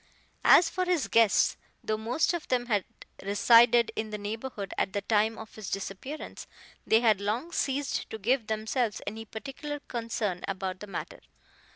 As for his guests, though most of them had resided in the neighborhood at the time of his disappearance, they had long ceased to give themselves any particular concern about the matter.